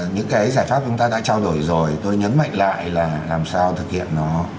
những cái giải pháp chúng ta đã trao đổi rồi tôi nhấn mạnh lại là làm sao thực hiện nó